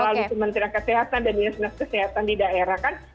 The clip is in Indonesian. lalu kementerian kesehatan dan dinas dinas kesehatan di daerah kan